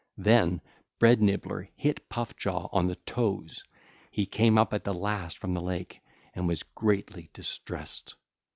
Then Bread nibbler hit Puff jaw on the toes—he came up at the last from the lake and was greatly distressed....